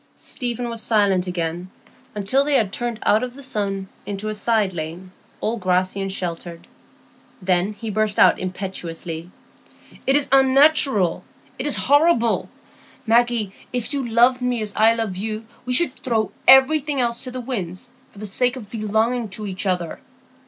Stephen was silent again until they had turned out of the sun into a side lane, all grassy and sheltered. Then he burst out impetuously,— "It is unnatural, it is horrible. Maggie, if you loved me as I love you, we should throw everything else to the winds for the sake of belonging to each other.